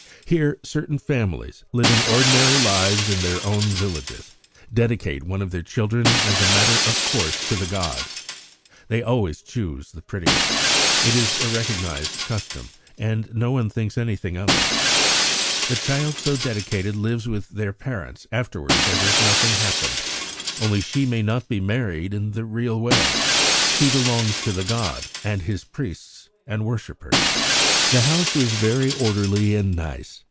Here certain families, living ordinary lives in their own villages, dedicate one of their children as a matter of course to the gods. They always choose the prettiest. It is a recognised custom, and no one thinks anything of it. The child so dedicated lives with her parents afterwards as if nothing had happened, only she may not be married in the real way. She belongs to the god and his priests and worshippers." "The house was very orderly and nice.